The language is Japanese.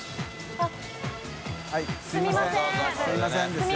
あっ！